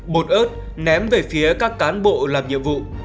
bột ớt ném về phía các cán bộ làm nhiệm vụ